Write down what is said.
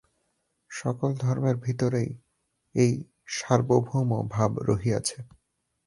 সকল ধর্মের ভিতরেই এই সার্বভৌম ভাব রহিয়াছে।